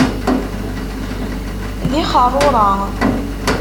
D ixeṛṛurra!